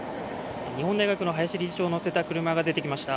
日本大学の林理事長を乗せた車が出てきました。